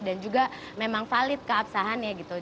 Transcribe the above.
dan juga memang valid keabsahannya gitu